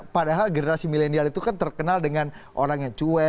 padahal generasi milenial itu kan terkenal dengan orang yang cuek